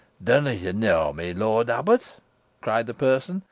"Dunna yo knoa me, lort abbut?" cried the person.